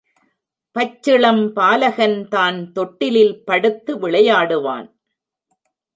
பச்சிளம் பாலகன்தான் தொட்டிலில் படுத்து விளையாடுவான்.